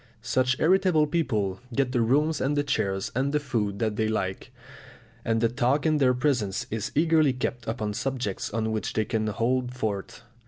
Such irritable people get the rooms and the chairs and the food that they like, and the talk in their presence is eagerly kept upon subjects on which they can hold forth.